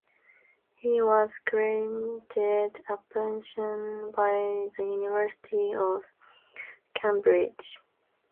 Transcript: He was granted a pension by the University of Cambridge.